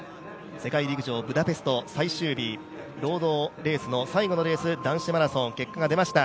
世界陸上ブダペスト最終日ロードレースの最後のレース、男子マラソン、結果が出ました。